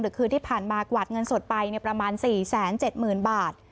คืนที่ผ่านมากวาดเงินสดไปประมาณ๔๗๐๐๐บาท